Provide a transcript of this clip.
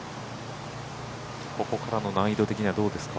ここからの難易度的にはどうですか？